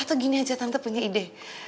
atau gini aja tante punya ide